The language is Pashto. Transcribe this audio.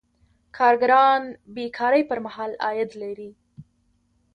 کارګران بې کارۍ پر مهال عاید لري.